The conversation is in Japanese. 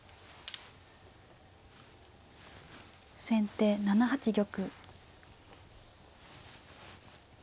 先手７八玉。